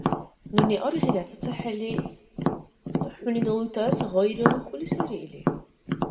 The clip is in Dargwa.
Нуни аргъира, цацахӀели хӀуни далуйтас гъайра лукӀули сари или?